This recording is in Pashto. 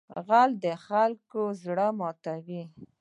غل د خلکو زړه ماتوي